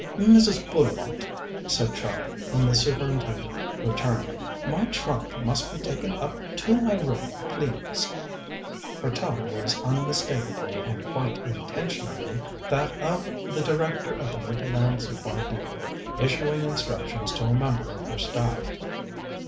"Mrs. Bullivant," said Char, when the Superintendent returned, "my trunk must be taken up to my room, please." Her tone was unmistakably, and quite intentionally, that of the Director of the Midland Supply Depôt issuing instructions to a member of her staff.